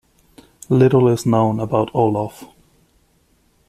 Little is known about Olov.